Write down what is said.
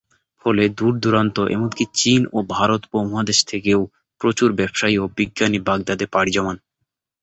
ফলে দূর-দূরান্ত এমনকি চীন ও ভারত উপমহাদেশ থেকেও প্রচুর ব্যবসায়ী ও বিজ্ঞানী বাগদাদে পাড়ি জমান।